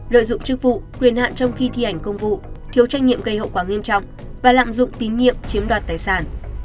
lợi dụng chức vụ quyền hạn trong khi thi hành công vụ thiếu tranh nhiệm gây hậu quả nghiêm trọng và lạm dụng tín nhiệm chiếm đoạt tài sản